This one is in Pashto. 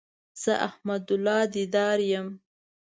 زه احمد الله ديدار يم